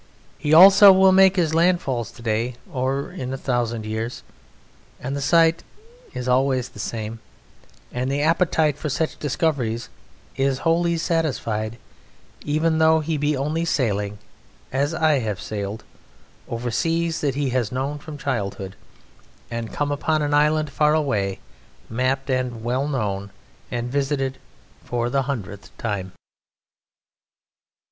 He also will make his landfalls to day, or in a thousand years; and the sight is always the same, and the appetite for such discoveries is wholly satisfied even though he be only sailing, as I have sailed, over seas that he has known from childhood, and come upon an island far away, mapped and well known, and visited for the hundredth time.